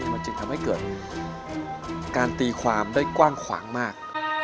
มันจึงทำให้เกิดการตีความได้กว้างขวางมาก